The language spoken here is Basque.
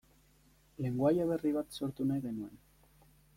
Lengoaia berri bat sortu nahi genuen.